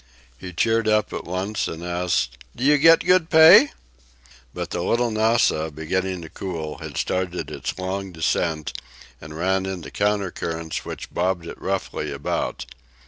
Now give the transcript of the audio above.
He cheered up at once and asked "Do you get good pay?" But the "Little Nassau," beginning to cool, had started on its long descent, and ran into counter currents which bobbed it roughly about.